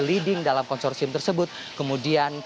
leading dalam konsorsium tersebut kemudian